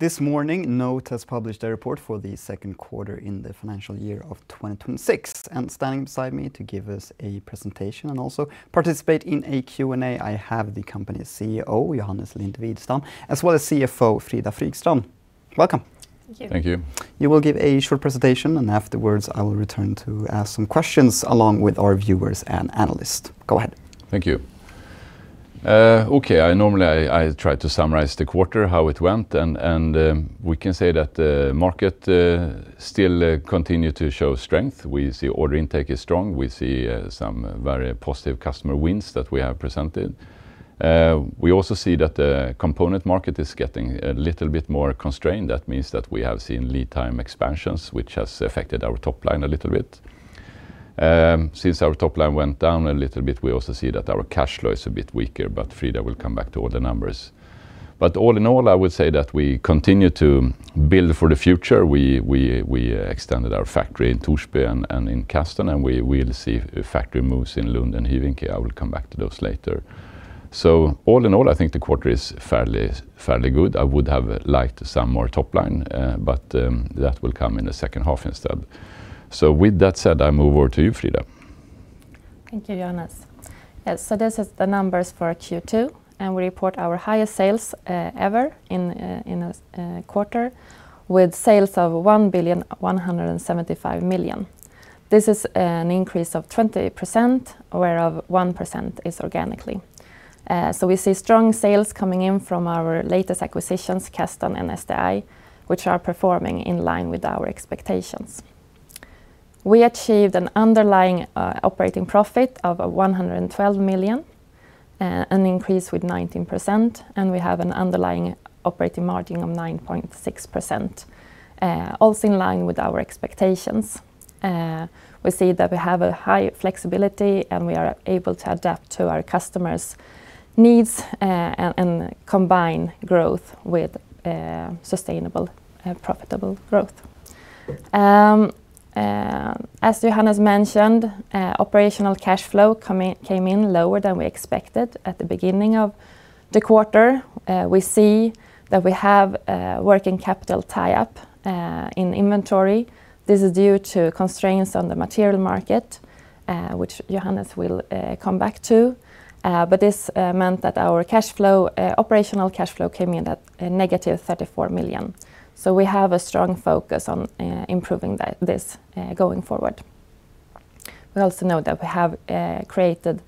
This morning, NOTE has published a report for the second quarter in the financial year of 2026. Standing beside me to give us a presentation and also participate in a Q&A, I have the company CEO, Johannes Lind-Widestam, as well as CFO, Frida Frykstrand. Welcome. Thank you. Thank you. You will give a short presentation, afterwards I will return to ask some questions along with our viewers and analysts. Go ahead. Thank you. Okay. Normally, I try to summarize the quarter, how it went. We can say that the market still continue to show strength. We see order intake is strong. We see some very positive customer wins that we have presented. We also see that the component market is getting a little bit more constrained. That means that we have seen lead time expansions, which has affected our top line a little bit. Since our top line went down a little bit, we also see that our cash flow is a bit weaker. Frida will come back to all the numbers. All in all, I would say that we continue to build for the future. We extended our factory in Torsby and in Kasdon. We will see factory moves in Lund and Hyvinkää. I will come back to those later. All in all, I think the quarter is fairly good. I would have liked some more top line. That will come in the second half instead. With that said, I move over to you, Frida. Thank you, Johannes. Yeah. This is the numbers for Q2. We report our highest sales ever in a quarter with sales of 1,175 million. This is an increase of 20%, whereof 1% is organically. We see strong sales coming in from our latest acquisitions, Kasdon and STI, which are performing in line with our expectations. We achieved an underlying operating profit of 112 million, an increase with 19%. We have an underlying operating margin of 9.6%, also in line with our expectations. We see that we have a high flexibility. We are able to adapt to our customers' needs and combine growth with sustainable and profitable growth. As Johannes mentioned, operational cash flow came in lower than we expected at the beginning of the quarter. We see that we have a working capital tie-up in inventory. This is due to constraints on the material market, which Johannes will come back to. This meant that our operational cash flow came in at a negative 34 million. We have a strong focus on improving this going forward. We also know that we have created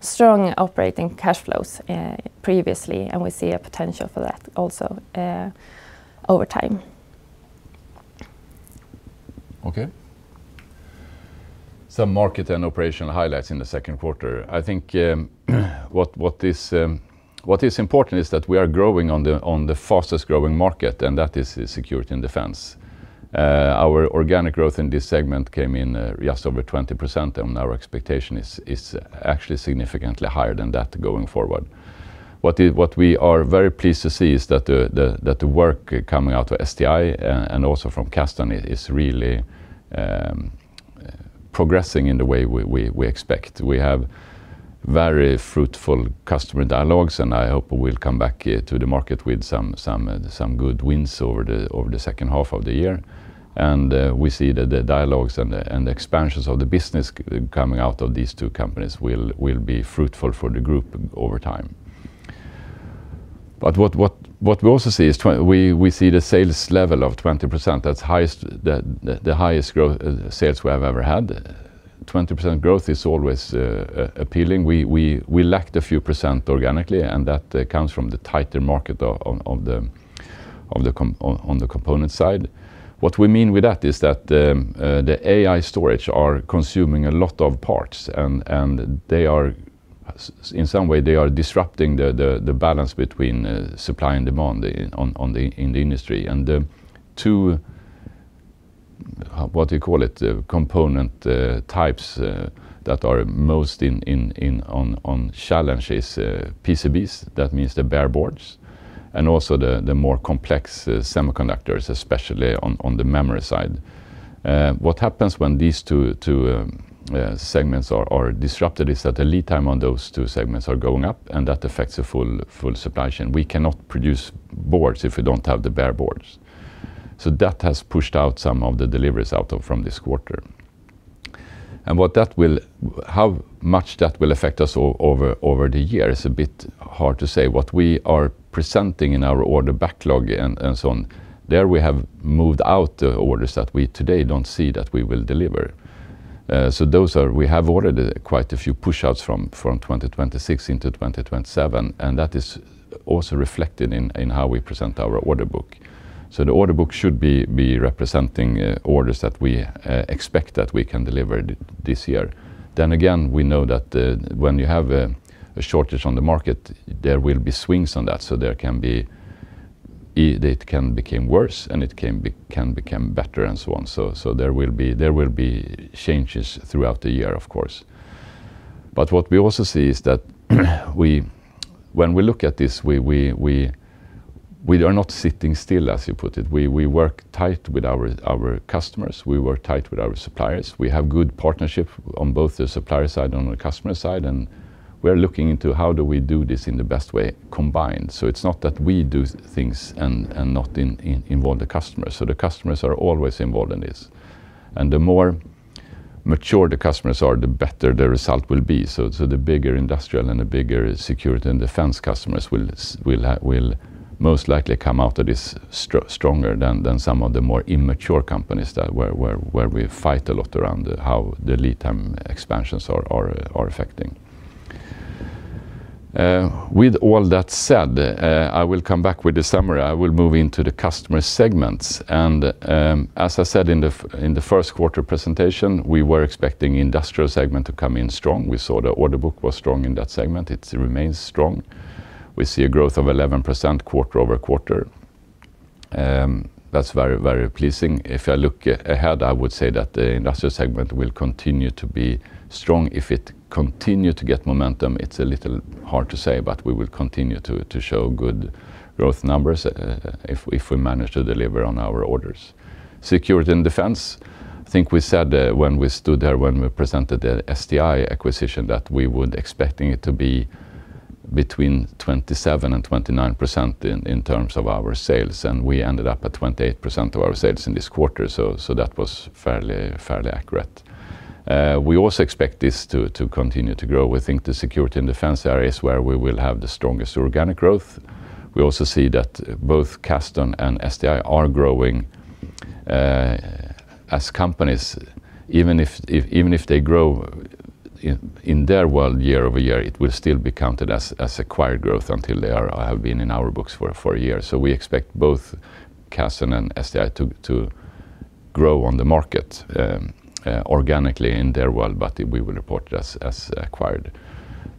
strong operating cash flows previously. We see a potential for that also over time. Some market and operational highlights in the second quarter. I think what is important is that we are growing on the fastest-growing market, that is Security & Defence. Our organic growth in this segment came in just over 20%, and our expectation is actually significantly higher than that going forward. What we are very pleased to see is that the work coming out of STI and also from Kasdon is really progressing in the way we expect. We have very fruitful customer dialogues, and I hope we will come back to the market with some good wins over the second half of the year. We see that the dialogues and the expansions of the business coming out of these two companies will be fruitful for the group over time. What we also see is we see the sales level of 20%. That is the highest growth sales we have ever had. 20% growth is always appealing. We lacked a few percent organically, and that comes from the tighter market on the component side. What we mean with that is that the AI storage are consuming a lot of parts, and in some way, they are disrupting the balance between supply and demand in the industry. The two, what do you call it, component types that are most on challenge is PCBs, that means the bare boards, and also the more complex semiconductors, especially on the memory side. What happens when these two segments are disrupted is that the lead time on those two segments are going up, and that affects the full supply chain. We cannot produce boards if we don't have the bare boards. That has pushed out some of the deliveries out from this quarter. How much that will affect us over the year is a bit hard to say. What we are presenting in our order backlog and so on, there we have moved out the orders that we today don't see that we will deliver. We have ordered quite a few pushouts from 2026 into 2027, and that is also reflected in how we present our order book. The order book should be representing orders that we expect that we can deliver this year. Again, we know that when you have a shortage on the market, there will be swings on that. It can become worse, and it can become better and so on. There will be changes throughout the year, of course. What we also see is that when we look at this, we are not sitting still, as you put it. We work tight with our customers. We work tight with our suppliers. We have good partnership on both the supplier side and on the customer side, we are looking into how do we do this in the best way combined. It is not that we do things and not involve the customers. The customers are always involved in this. The more mature the customers are, the better the result will be. The bigger industrial and the bigger Security & Defence customers will most likely come out of this stronger than some of the more immature companies where we fight a lot around how the lead time expansions are affecting. With all that said, I will come back with the summary. I will move into the customer segments. As I said in the first quarter presentation, we were expecting Industrial segment to come in strong. We saw the order book was strong in that segment. It remains strong. We see a growth of 11% quarter-over-quarter. That's very pleasing. If I look ahead, I would say that the Industrial segment will continue to be strong. If it continue to get momentum, it's a little hard to say, but we will continue to show good growth numbers if we manage to deliver on our orders. Security & Defence, I think we said when we stood there, when we presented the STI acquisition, that we would expecting it to be between 27% and 29% in terms of our sales, and we ended up at 28% of our sales in this quarter. That was fairly accurate. We also expect this to continue to grow. We think the Security & Defence area is where we will have the strongest organic growth. We also see that both Kasdon and STI are growing as companies. Even if they grow in their world year-over-year, it will still be counted as acquired growth until they have been in our books for a year. We expect both Kasdon and STI to grow on the market organically in their world, but we will report it as acquired.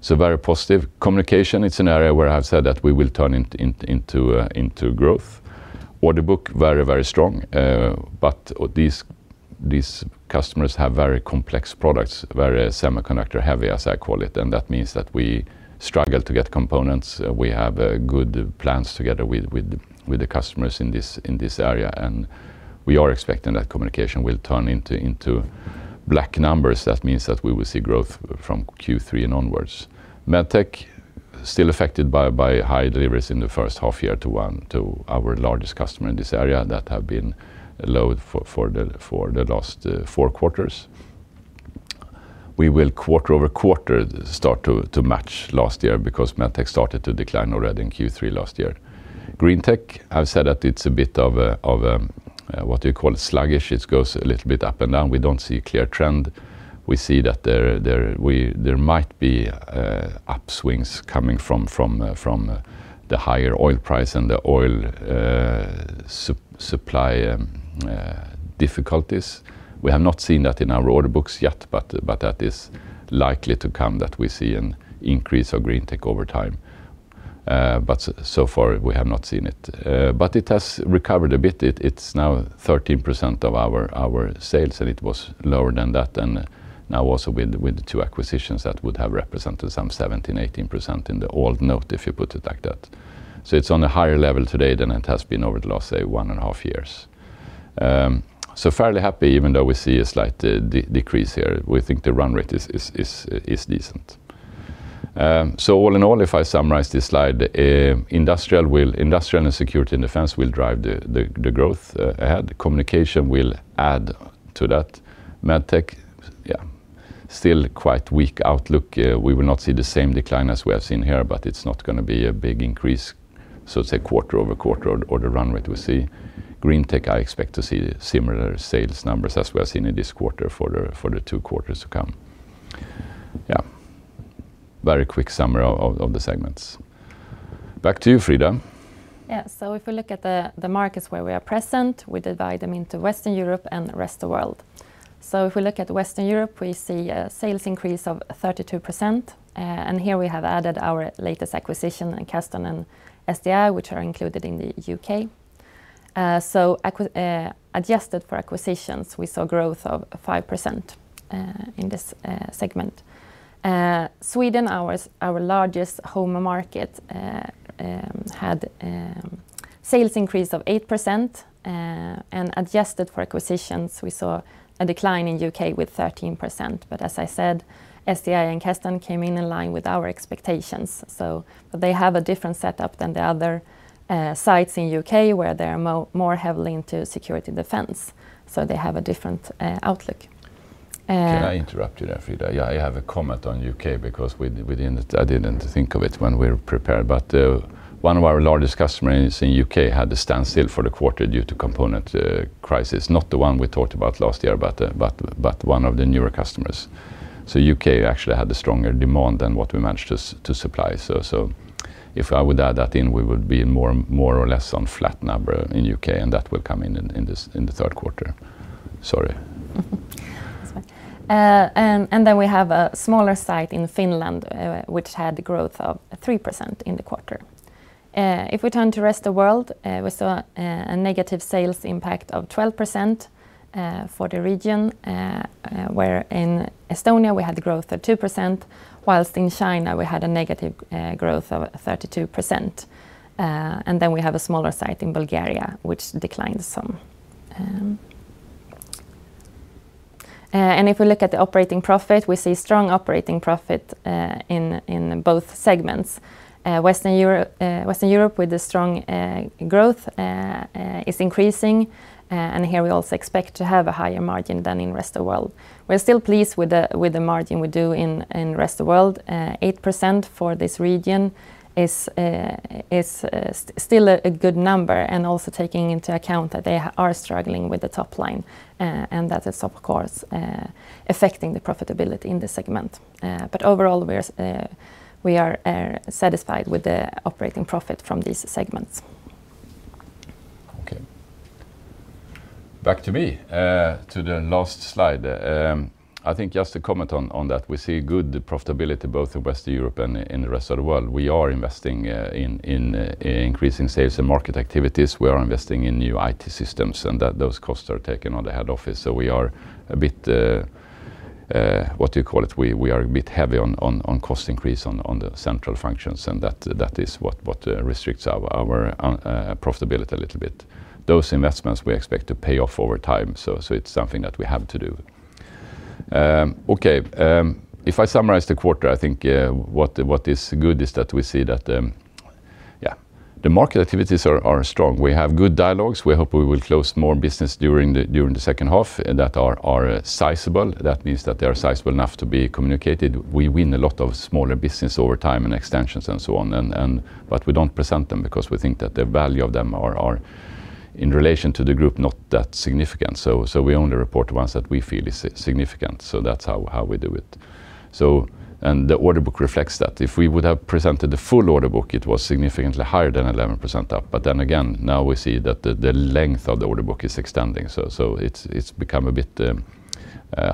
Very positive. Communication, it's an area where I've said that we will turn into growth. Order book, very, very strong. These customers have very complex products, very semiconductor-heavy, as I call it, and that means that we struggle to get components. We have good plans together with the customers in this area, and we are expecting that Communication will turn into black numbers. That means that we will see growth from Q3 and onwards. Medtech still affected by high deliveries in the first half year to our largest customer in this area that have been low for the last four quarters. We will quarter-over-quarter start to match last year because Medtech started to decline already in Q3 last year. GreenTech, I've said that it's a bit of a, what you call sluggish. It goes a little bit up and down. We don't see a clear trend. We see that there might be upswings coming from the higher oil price and the oil supply difficulties. We have not seen that in our order books yet, but that is likely to come that we see an increase of GreenTech over time. So far, we have not seen it. It has recovered a bit. It's now 13% of our sales, and it was lower than that. Now also with the two acquisitions, that would have represented some 17%-18% in the old NOTE, if you put it like that. It's on a higher level today than it has been over the last, say, one and a half years. Fairly happy, even though we see a slight decrease here. We think the run rate is decent. All in all, if I summarize this slide, industrial and Security & Defence will drive the growth ahead. Communication will add to that. Medtech, yeah, still quite weak outlook. We will not see the same decline as we have seen here, but it's not going to be a big increase. Say quarter-over-quarter order run rate, we see. GreenTech, I expect to see similar sales numbers as we have seen in this quarter for the two quarters to come. Yeah. Very quick summary of the segments. Back to you, Frida. Yeah. If we look at the markets where we are present, we divide them into Western Europe and the Rest of World. If we look at Western Europe, we see a sales increase of 32%. Here we have added our latest acquisition in Kasdon and STI, which are included in the U.K. Adjusted for acquisitions, we saw growth of 5% in this segment. Sweden, our largest home market, had sales increase of 8%, and adjusted for acquisitions, we saw a decline in U.K. with 13%. As I said, STI and Kasdon came in in line with our expectations. They have a different setup than the other sites in U.K. where they're more heavily into Security & Defence, they have a different outlook. Can I interrupt you there, Frida? Yeah, I have a comment on U.K. because I didn't think of it when we prepared, but one of our largest customers in U.K. had to stand still for the quarter due to component crisis, not the one we talked about last year, but one of the newer customers. U.K. actually had a stronger demand than what we managed to supply. If I would add that in, we would be more or less on flat number in U.K., and that will come in the third quarter. Sorry. That's fine. We have a smaller site in Finland, which had growth of 3% in the quarter. If we turn to Rest of World, we saw a negative sales impact of 12% for the region, where in Estonia we had growth of 2%, whilst in China, we had a negative growth of 32%. We have a smaller site in Bulgaria, which declined some. If we look at the operating profit, we see strong operating profit, in both segments. Western Europe with the strong growth, is increasing, and here we also expect to have a higher margin than in Rest of World. We're still pleased with the margin we do in Rest of World. 8% for this region is still a good number. Also taking into account that they are struggling with the top line, that is of course, affecting the profitability in the segment. Overall we are satisfied with the operating profit from these segments. Back to me, to the last slide. I think just to comment on that, we see good profitability, both in Western Europe and in Rest of World. We are investing in increasing sales and market activities. We are investing in new IT systems, those costs are taken on the head office. We are a bit heavy on cost increase on the central functions, that is what restricts our profitability a little bit. Those investments we expect to pay off over time. It's something that we have to do. If I summarize the quarter, I think what is good is that we see that the market activities are strong. We have good dialogues. We hope we will close more business during the second half that are sizable. That means that they are sizable enough to be communicated. We win a lot of smaller business over time and extensions and so on. We don't present them because we think that the value of them are in relation to the group, not that significant. We only report ones that we feel is significant. That's how we do it. The order book reflects that. If we would have presented the full order book, it was significantly higher than 11% up. Now we see that the length of the order book is extending. It's become a bit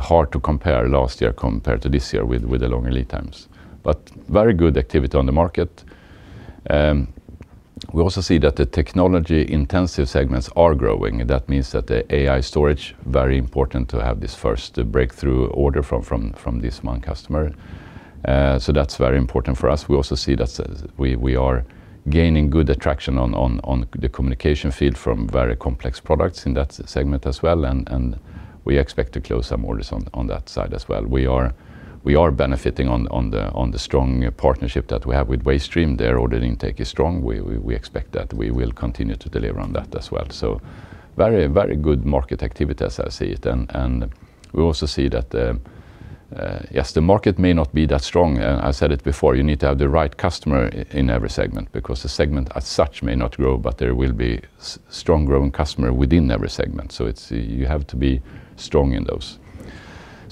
hard to compare last year compared to this year with the longer lead times, very good activity on the market. We also see that the technology-intensive segments are growing. That means that the AI storage very important to have this first breakthrough order from this one customer. That's very important for us. We also see that we are gaining good traction on the Communication field from very complex products in that segment as well. We expect to close some orders on that side as well. We are benefiting on the strong partnership that we have with Waystream. Their order intake is strong. We expect that we will continue to deliver on that as well. Very good market activity as I see it, we also see that yes, the market may not be that strong. I said it before, you need to have the right customer in every segment because the segment as such may not grow, there will be strong growing customer within every segment. You have to be strong in those.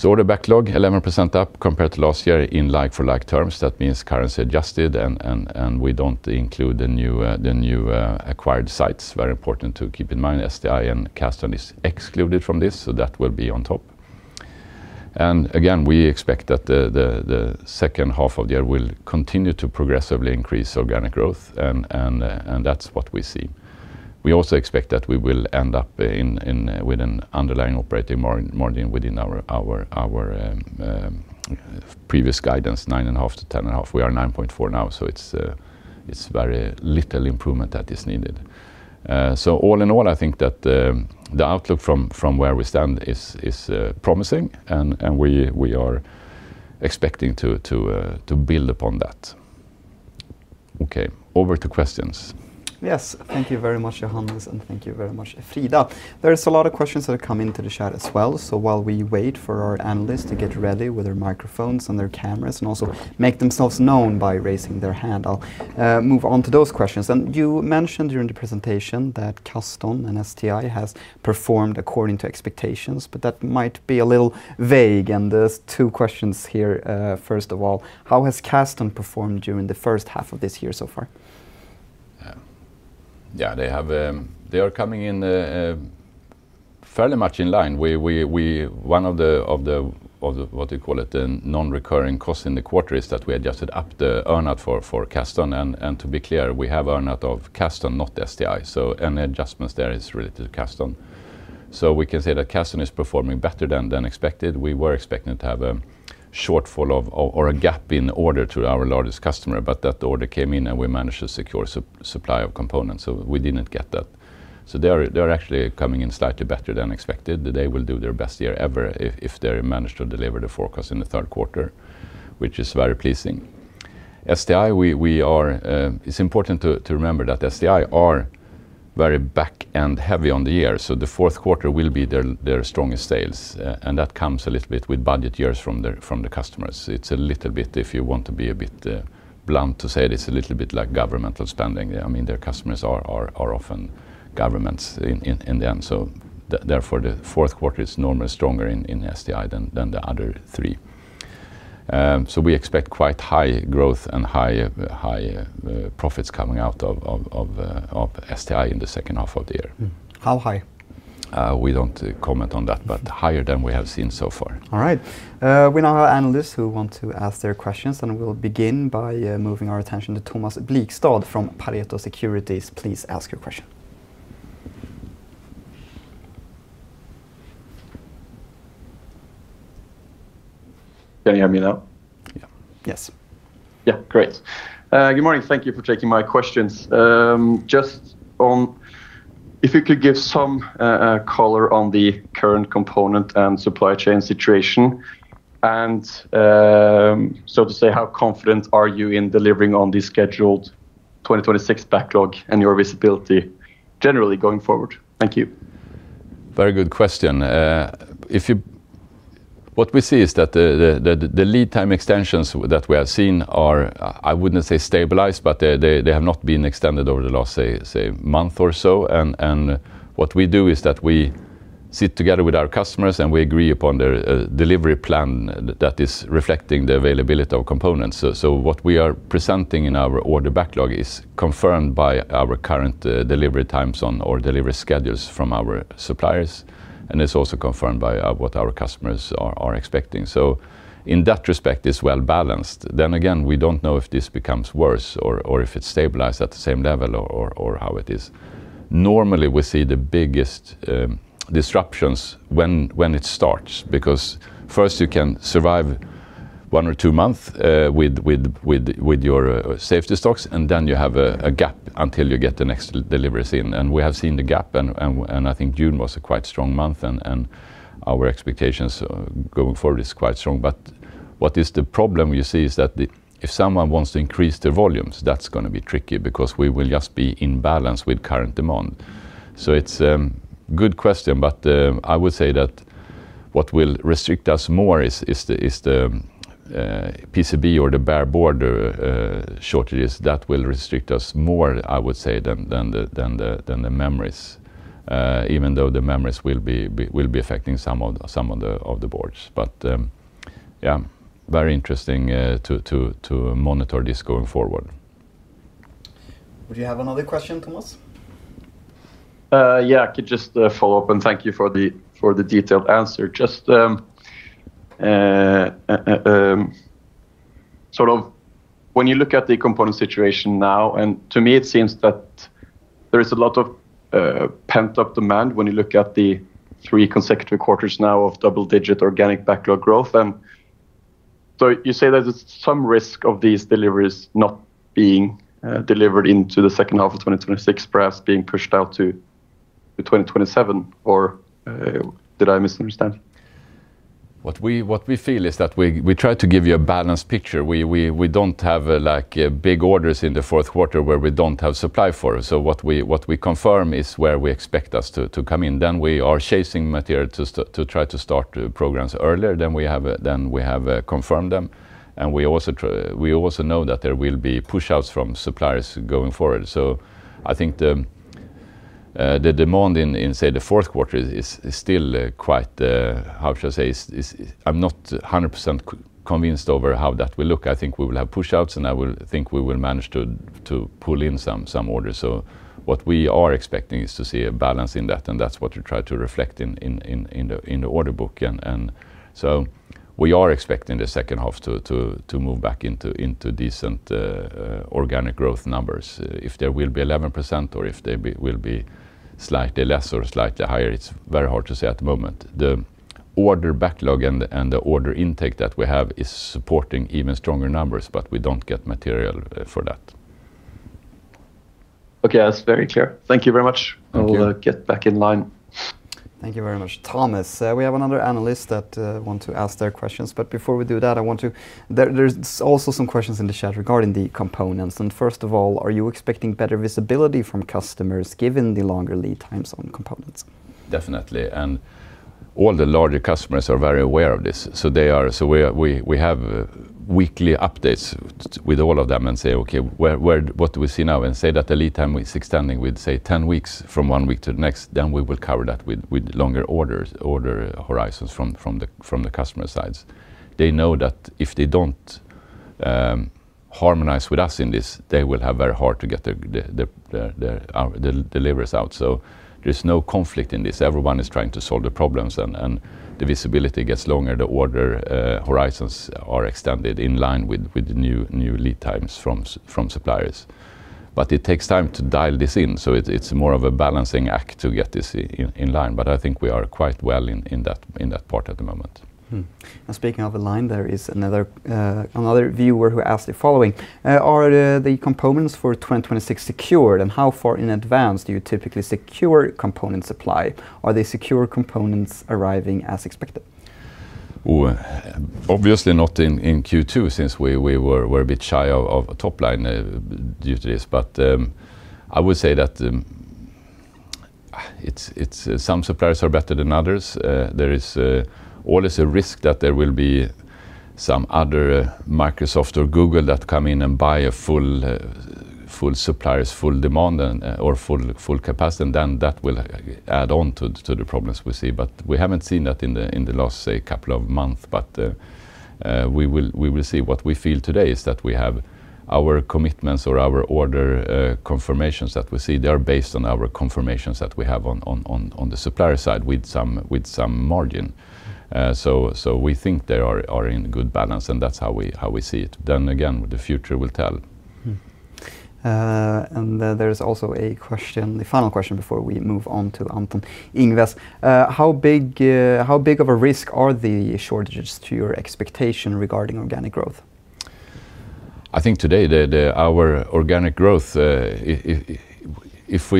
Order backlog 11% up compared to last year in like-for-like terms, that means currency adjusted and we don't include the new acquired sites. Very important to keep in mind, STI and Kasdon is excluded from this, so that will be on top. Again, we expect that the second half of the year will continue to progressively increase organic growth, and that's what we see. We also expect that we will end up with an underlying operating margin within our previous guidance, 9.5%-10.5%. We are 9.4% now, so it's very little improvement that is needed. All in all, I think that the outlook from where we stand is promising and we are expecting to build upon that. Okay, over to questions. Yes. Thank you very much, Johannes, and thank you very much, Frida. There is a lot of questions that have come into the chat as well. While we wait for our analysts to get ready with their microphones and their cameras, and also make themselves known by raising their hand, I'll move on to those questions. You mentioned during the presentation that Kasdon and STI has performed according to expectations, but that might be a little vague. There's two questions here. First of all, how has Kasdon performed during the first half of this year so far? Yeah. They are coming in fairly much in line. One of the non-recurring costs in the quarter is that we adjusted up the earnout for Kasdon. To be clear, we have earnout of Kasdon, not STI. Any adjustments there is related to Kasdon. We can say that Kasdon is performing better than expected. We were expecting to have a shortfall of, or a gap in order to our largest customer, but that order came in, and we managed to secure supply of components, so we didn't get that. They're actually coming in slightly better than expected. They will do their best year ever if they manage to deliver the forecast in the third quarter, which is very pleasing. STI, it's important to remember that STI are very back-end heavy on the year. The fourth quarter will be their strongest sales, and that comes a little bit with budget years from the customers. If you want to be a bit blunt to say it's a little bit like governmental spending. Their customers are often governments in the end. Therefore the fourth quarter is normally stronger in STI than the other three. We expect quite high growth and high profits coming out of STI in the second half of the year. How high? We don't comment on that, higher than we have seen so far. All right. We now have our analysts who want to ask their questions, we'll begin by moving our attention to Thomas Blikstad from Pareto Securities. Please ask your question. Can you hear me now? Yeah. Yes. Yeah. Great. Good morning. Thank you for taking my questions. Just if you could give some color on the current component and supply chain situation, and so to say, how confident are you in delivering on the scheduled 2026 backlog and your visibility generally going forward? Thank you. Very good question. What we see is that the lead time extensions that we have seen are, I wouldn't say stabilized, but they have not been extended over the last, say, month or so. What we do is that we sit together with our customers, and we agree upon their delivery plan that is reflecting the availability of components. What we are presenting in our order backlog is confirmed by our current delivery times or delivery schedules from our suppliers, and it's also confirmed by what our customers are expecting. In that respect, it's well-balanced. Again, we don't know if this becomes worse or if it stabilized at the same level or how it is. Normally, we see the biggest disruptions when it starts. First you can survive one or two month with your safety stocks, and then you have a gap until you get the next deliveries in. We have seen the gap, and I think June was a quite strong month, and our expectations going forward is quite strong. What is the problem we see is that if someone wants to increase their volumes, that's going to be tricky because we will just be in balance with current demand. It's a good question, but I would say that what will restrict us more is the PCB or the bare board shortages. That will restrict us more, I would say, than the memories, even though the memories will be affecting some of the boards. Yeah, very interesting to monitor this going forward. Would you have another question, Thomas? Yeah, could just follow up. Thank you for the detailed answer. Just when you look at the component situation now, to me, it seems that there is a lot of pent-up demand, when you look at the three consecutive quarters now of double-digit organic backlog growth. You say there's some risk of these deliveries not being delivered into the second half of 2026, perhaps being pushed out to 2027. Did I misunderstand? What we feel is that we try to give you a balanced picture. We don't have big orders in the fourth quarter where we don't have supply for it. What we confirm is where we expect us to come in. We are chasing material to try to start programs earlier than we have confirmed them. We also know that there will be pushouts from suppliers going forward. I think the demand in, say, the fourth quarter is still how should I say? I'm not 100% convinced over how that will look. I think we will have pushouts, and I would think we will manage to pull in some orders. What we are expecting is to see a balance in that, and that's what we try to reflect in the order book. We are expecting the second half to move back into decent organic growth numbers. If there will be 11% or if they will be slightly less or slightly higher, it's very hard to say at the moment. The order backlog and the order intake that we have is supporting even stronger numbers, we don't get material for that. Okay. That's very clear. Thank you very much. Thank you. I'll get back in line. Thank you very much, Thomas. We have another analyst that want to ask their questions, but before we do that, there's also some questions in the chat regarding the components. First of all, are you expecting better visibility from customers given the longer lead times on components? Definitely. All the larger customers are very aware of this. We have weekly updates with all of them and say, "Okay, what do we see now?" Say that the lead time is extending, we'd say 10 weeks from one week to the next. We will cover that with longer order horizons from the customer sides. They know that if they don't harmonize with us in this, they will have very hard to get their deliveries out. There's no conflict in this. Everyone is trying to solve the problems, and the visibility gets longer. The order horizons are extended in line with the new lead times from suppliers. It takes time to dial this in, so it's more of a balancing act to get this in line. I think we are quite well in that part at the moment. Speaking of align, there is another viewer who asked the following: "Are the components for 2026 secured, and how far in advance do you typically secure component supply? Are the secure components arriving as expected? Obviously not in Q2 since we were a bit shy of top line due to this. I would say that some suppliers are better than others. There is always a risk that there will be some other Microsoft or Google that come in and buy a full supplier's full demand or full capacity, that will add on to the problems we see. We haven't seen that in the last, say, couple of months. We will see. What we feel today is that we have our commitments or our order confirmations that we see. They are based on our confirmations that we have on the supplier side with some margin. We think they are in good balance, and that's how we see it. Again, the future will tell. There's also the final question before we move on to Anton Ingves. How big of a risk are the shortages to your expectation regarding organic growth? I think today, our organic growth, if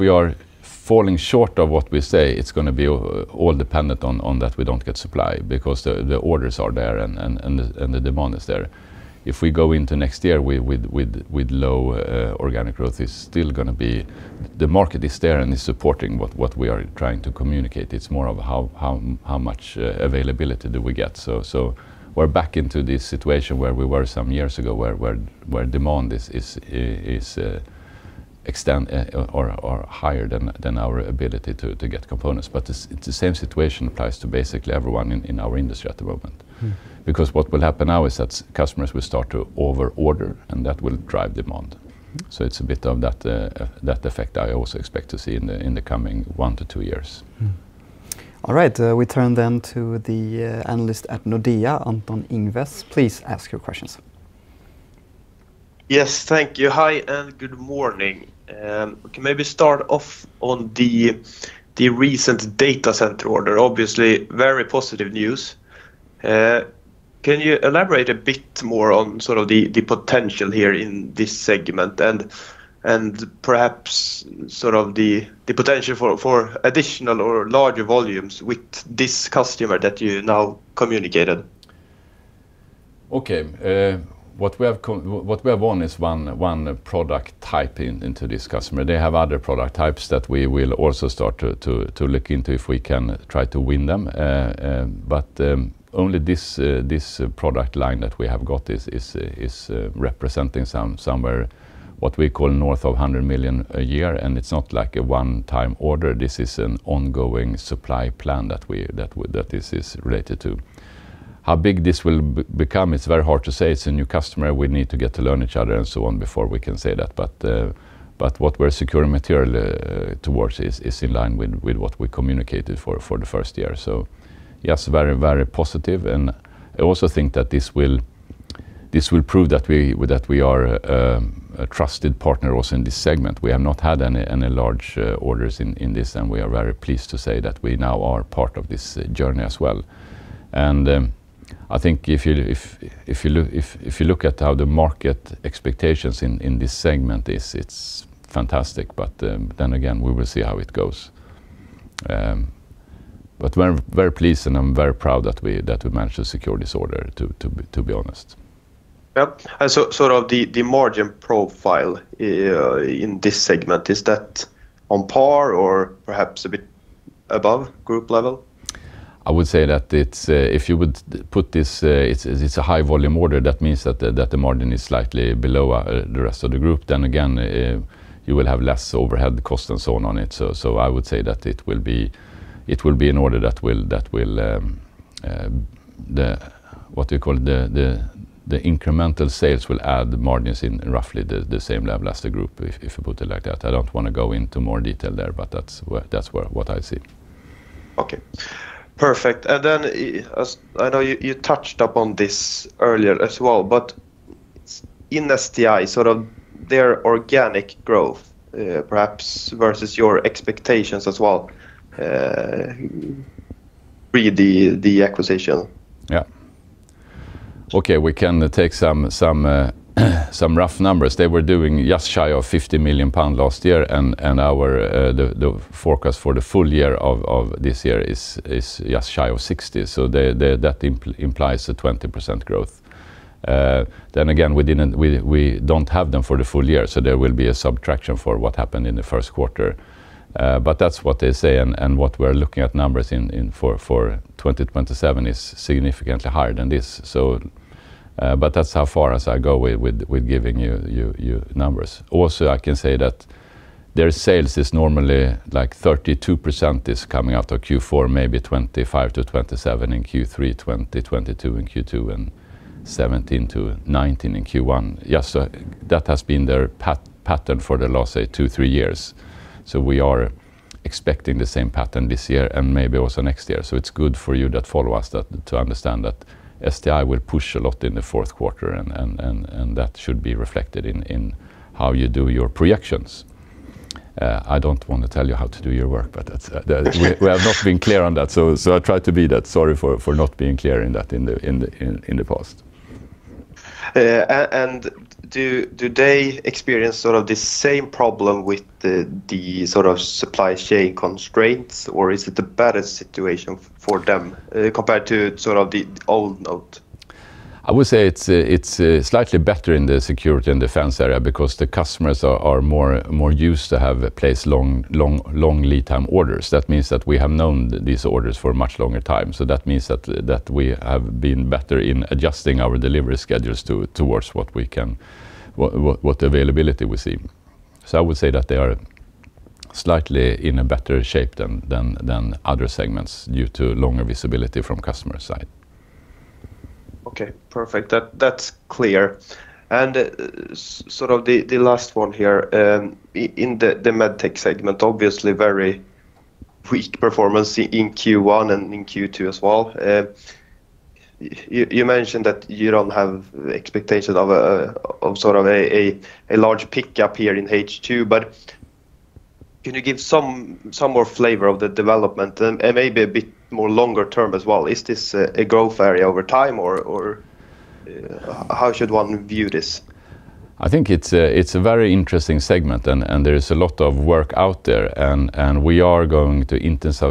we are falling short of what we say, it's going to be all dependent on that we don't get supply because the orders are there and the demand is there. If we go into next year with low organic growth, the market is there and is supporting what we are trying to communicate. It's more of how much availability do we get. We're back into this situation where we were some years ago where demand is higher than our ability to get components. The same situation applies to basically everyone in our industry at the moment. What will happen now is that customers will start to over-order, and that will drive demand. It's a bit of that effect I also expect to see in the coming one to two years. All right. We turn to the analyst at Nordea, Anton Ingves. Please ask your questions. Yes, thank you. Hi, good morning. We can maybe start off on the recent data center order, obviously very positive news. Can you elaborate a bit more on the potential here in this segment, and perhaps the potential for additional or larger volumes with this customer that you now communicated? Okay. What we have won is one product type into this customer. They have other product types that we will also start to look into if we can try to win them. Only this product line that we have got is representing somewhere what we call north of 100 million a year, and it's not like a one-time order. This is an ongoing supply plan that this is related to. How big this will become, it's very hard to say. It's a new customer. We need to get to learn each other and so on before we can say that. What we're securing material towards is in line with what we communicated for the first year. Yes, very positive, and I also think that this will prove that we are a trusted partner also in this segment. We have not had any large orders in this, and we are very pleased to say that we now are part of this journey as well. I think if you look at how the market expectations in this segment, it's fantastic. Again, we will see how it goes. Very pleased, and I'm very proud that we managed to secure this order, to be honest. Yep. The margin profile in this segment, is that on par or perhaps a bit above group level? I would say that it's a high volume order. That means that the margin is slightly below the rest of the group. Again, you will have less overhead cost and so on it. I would say that it will be an order that the incremental sales will add margins in roughly the same level as the group, if I put it like that. I don't want to go into more detail there, but that's what I see. Okay. Perfect. I know you touched upon this earlier as well, but in STI, their organic growth perhaps versus your expectations as well pre the acquisition. Yeah. Okay, we can take some rough numbers. They were doing just shy of 50 million pounds last year, and the forecast for the full year of this year is just shy of 60 million. That implies a 20% growth. Again, we don't have them for the full year, so there will be a subtraction for what happened in the first quarter. That's what they say, and what we're looking at numbers in for 2027 is significantly higher than this. That's how far as I go with giving you numbers. Also, I can say that their sales is normally like 32% is coming out of Q4, maybe 25%-27% in Q3, 20%-22% in Q2, and 17%-19% in Q1. Yes, that has been their pattern for the last, say, two, three years. We are expecting the same pattern this year and maybe also next year. It's good for you that follow us to understand that STI will push a lot in the fourth quarter, that should be reflected in how you do your projections. I don't want to tell you how to do your work, we have not been clear on that, I try to be that. Sorry for not being clear in that in the past. Do they experience the same problem with the supply chain constraints, or is it a better situation for them compared to the old NOTE? I would say it's slightly better in the Security & Defence area because the customers are more used to have placed long lead time orders. That means that we have known these orders for a much longer time. That means that we have been better in adjusting our delivery schedules towards what availability we see. I would say that they are slightly in a better shape than other segments due to longer visibility from customer side. Okay, perfect. That's clear. The last one here. In the Medtech segment, obviously very weak performance in Q1 and in Q2 as well. You mentioned that you don't have the expectation of a large pick-up here in H2, can you give some more flavor of the development and maybe a bit more longer term as well? Is this a growth area over time, or how should one view this? I think it's a very interesting segment, and there is a lot of work out there, and we are going to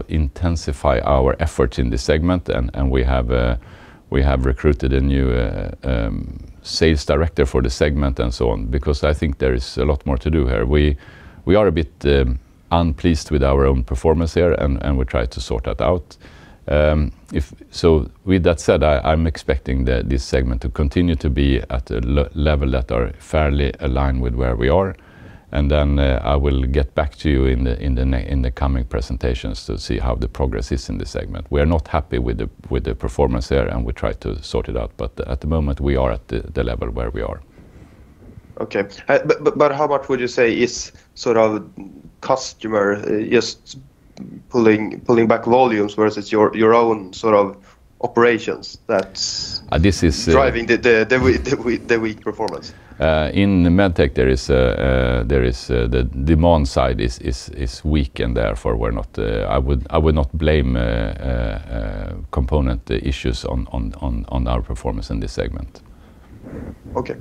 intensify our efforts in this segment. We have recruited a new sales director for the segment and so on because I think there is a lot more to do here. We are a bit unpleased with our own performance here, and we'll try to sort that out. With that said, I'm expecting this segment to continue to be at a level that are fairly aligned with where we are. Then I will get back to you in the coming presentations to see how the progress is in this segment. We are not happy with the performance there, and we'll try to sort it out. At the moment, we are at the level where we are. Okay. How much would you say is customer just pulling back volumes versus your own operations that's- This is- driving the weak performance? In Medtech, the demand side is weak, therefore I would not blame component issues on our performance in this segment. Okay.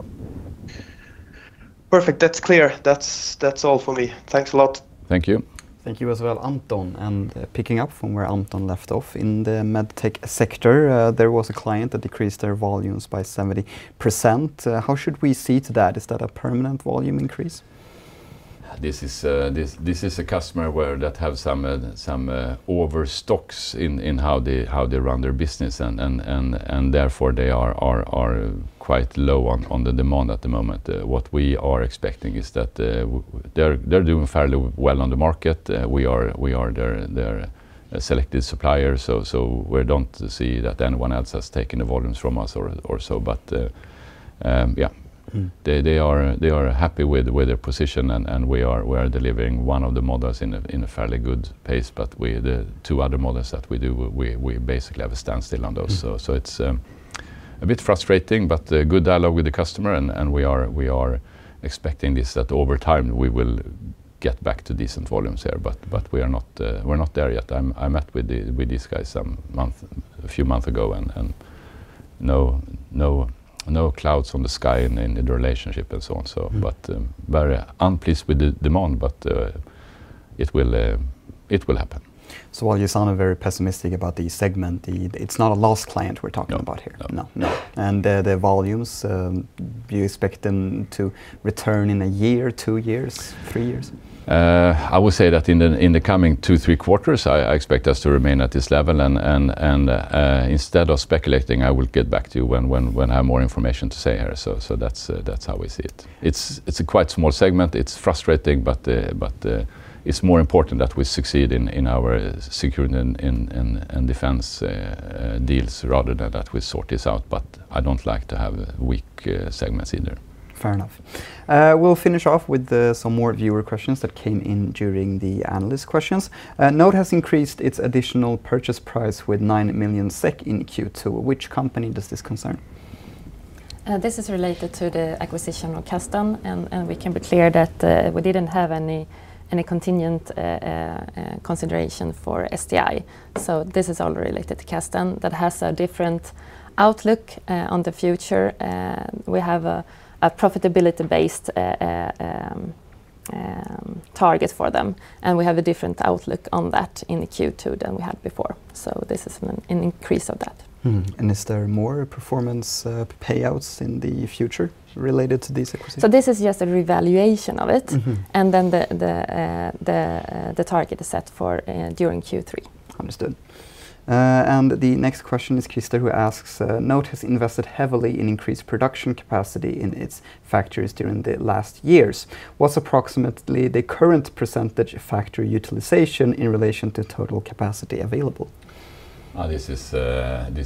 Perfect. That's clear. That's all for me. Thanks a lot. Thank you. Thank you as well, Anton. Picking up from where Anton left off, in the Medtech sector, there was a client that decreased their volumes by 70%. How should we see to that? Is that a permanent volume increase? This is a customer that have some overstocks in how they run their business, and therefore they are quite low on the demand at the moment. What we are expecting is that they're doing fairly well on the market. We are their selected supplier, so we don't see that anyone else has taken the volumes from us or so. Yeah. They are happy with their position, and we are delivering one of the models in a fairly good pace, but with the two other models that we do, we basically have a standstill on those. It's a bit frustrating, but a good dialogue with the customer, and we are expecting this, that over time we will get back to decent volumes here. We're not there yet. I met with these guys a few months ago. No clouds from the sky in the relationship and so on, so. Very unpleased with the demand, but it will happen. While you sound very pessimistic about the segment, it's not a lost client we're talking about here? No. No. The volumes, do you expect them to return in a year, two years, three years? I would say that in the coming two, three quarters, I expect us to remain at this level. Instead of speculating, I will get back to you when I have more information to say here. That's how we see it. It's a quite small segment. It's frustrating, but it's more important that we succeed in our Security & Defence deals rather than that we sort this out, I don't like to have weak segments either. Fair enough. We'll finish off with some more viewer questions that came in during the analyst questions. "NOTE has increased its additional purchase price with 9 million SEK in Q2. Which company does this concern? This is related to the acquisition of Kasdon. We can be clear that we didn't have any contingent consideration for STI. This is all related to Kasdon. That has a different outlook on the future. We have a profitability-based target for them. We have a different outlook on that in Q2 than we had before. This is an increase of that. Mm-hmm. Is there more performance payouts in the future related to this acquisition? This is just a revaluation of it. The target is set for during Q3. Understood. The next question is Christer, who asks, "NOTE has invested heavily in increased production capacity in its factories during the last years. What's approximately the current percent of factory utilization in relation to total capacity available? This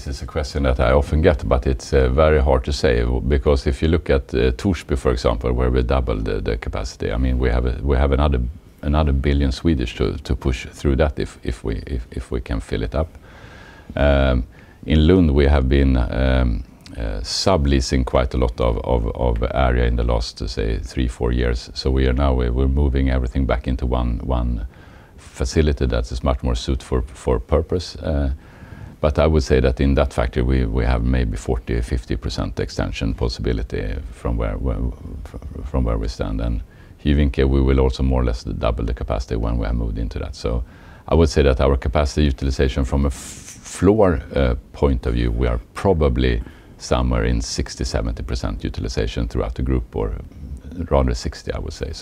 is a question that I often get, it's very hard to say because if you look at Torsby, for example, where we doubled the capacity, we have another 1 billion to push through that if we can fill it up. In Lund, we have been subleasing quite a lot of area in the last, say three, four years. We are now moving everything back into one facility that is much more suit for purpose. I would say that in that factory, we have maybe 40% or 50% extension possibility from where we stand. Hyvinkää, we will also more or less double the capacity when we have moved into that. I would say that our capacity utilization from a floor point of view, we are probably somewhere in 60%, 70% utilization throughout the group, or rather 60%, I would say.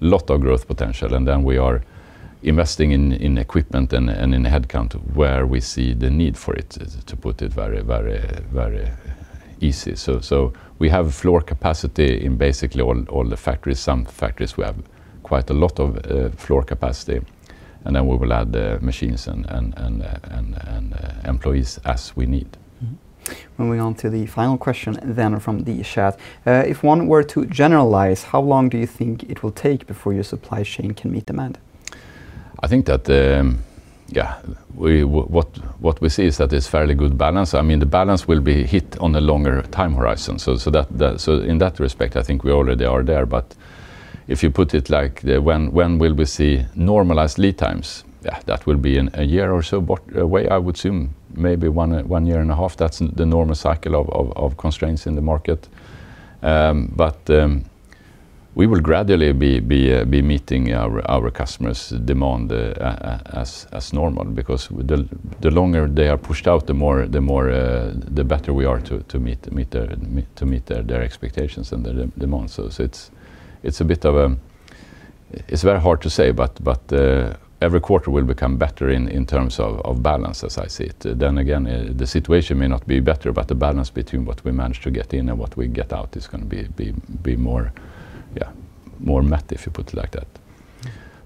Lot of growth potential, we are investing in equipment and in headcount where we see the need for it, to put it very easy. We have floor capacity in basically all the factories. Some factories we have quite a lot of floor capacity, we will add the machines and employees as we need. Moving on to the final question from the chat. "If one were to generalize, how long do you think it will take before your supply chain can meet demand? I think that what we see is that it's fairly good balance. The balance will be hit on a longer time horizon. In that respect, I think we already are there. If you put it like when will we see normalized lead times, that will be in a year or so. I would assume maybe one year and a half. That's the normal cycle of constraints in the market. We will gradually be meeting our customers' demand as normal because the longer they are pushed out, the better we are to meet their expectations and their demand. It's very hard to say, but every quarter will become better in terms of balance as I see it. Again, the situation may not be better, but the balance between what we manage to get in and what we get out is going to be more met, if you put it like that.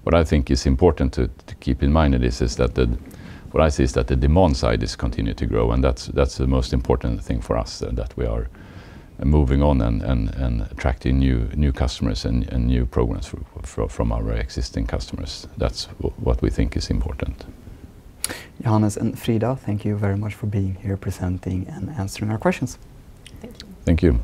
What I think is important to keep in mind of this is that what I see is that the demand side is continuing to grow, that's the most important thing for us, that we are moving on and attracting new customers and new programs from our existing customers. That's what we think is important. Johannes and Frida, thank you very much for being here presenting and answering our questions. Thank you. Thank you.